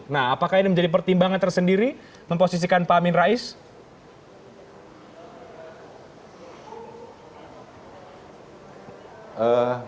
nah apakah ini menjadi pertimbangan tersendiri memposisikan pak amin rais